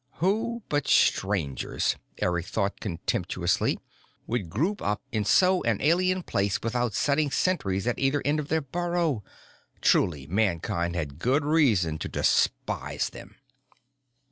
Who but Strangers, Eric thought contemptuously, would group up in so an alien place without setting sentries at either end of their burrow? Truly Mankind had good reason to despise them!